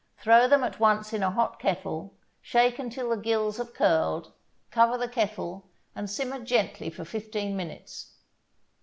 Throw them at once in a hot kettle, shake until the gills have curled, cover the kettle, and simmer gently for fifteen minutes.